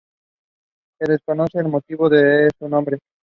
Se desconoce el motivo de su nombre.